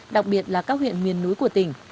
đặc biệt là các huyện miền núi của tỉnh